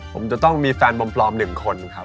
ผมจะต้องมีแฟนมพรอมหนึ่งคนครับ